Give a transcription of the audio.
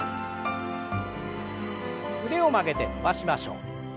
腕を曲げて伸ばしましょう。